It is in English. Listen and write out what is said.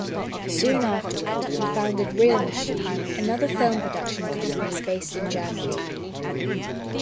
Soon afterward, he founded Reelmachine, another film production company based in Germany.